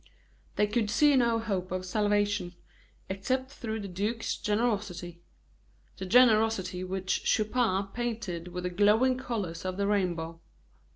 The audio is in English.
They could see no hope of salvation, except through the duke's generosity that generosity which Chupin painted with the glowing colors of the rainbow.